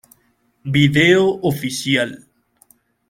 Video oficial